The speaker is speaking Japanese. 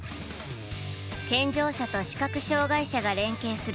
健常者と視覚障害者が連携する